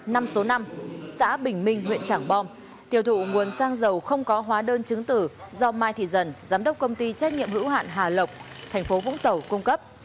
năm số năm xã bình minh huyện trảng bom tiêu thụ nguồn xăng dầu không có hóa đơn chứng tử do mai thị dần giám đốc công ty trách nhiệm hữu hạn hà lộc thành phố vũng tàu cung cấp